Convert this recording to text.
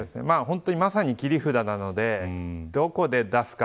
まさに切り札なのでどこで出すか。